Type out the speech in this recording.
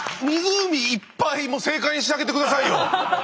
湖いっぱいも正解にしてあげてくださいよ！